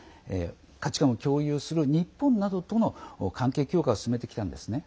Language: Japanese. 価値観を共有する日本などとの関係強化を進めてきたんですね。